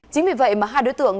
chính vì vậy mà hai đối tượng